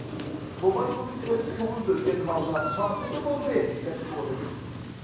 موماي بۇنى كۆرۈپ، كۆڭۈل بۆلگەن ھالدا:« ساڭا نېمە بولدى؟» دەپ سورىدى.